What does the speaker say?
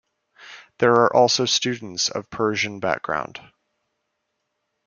There are also students of Persian background.